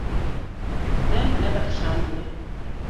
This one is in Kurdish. Te nebexşandiye.